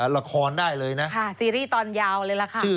ละครได้เลยนะค่ะซีรีส์ตอนยาวเลยล่ะค่ะ